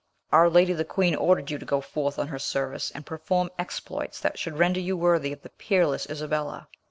"Our lady the queen ordered you to go forth on her service and perform exploits that should render you worthy of the peerless Isabella.